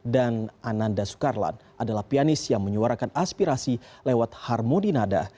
dan ananda sukarlan adalah pianis yang menyuarakan aspirasi lewat harmoni nada